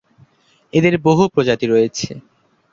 এদের বহু প্রজাতি রয়েছে।